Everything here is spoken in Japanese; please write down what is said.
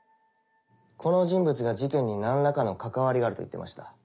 この人物が事件に何らかの関わりがあると言ってました。